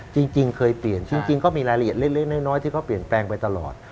จริงเคยเปลี่ยนจริงก็มีรายละเอียดเล็กน้อยที่เขาเปลี่ยนแปลงไปตลอด